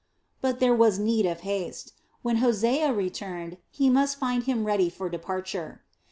But there was need of haste. When Hosea returned, he must find him ready for departure.